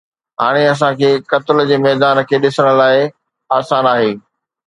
هاڻي اسان کي قتل جي ميدان کي ڏسڻ لاء آسان آهي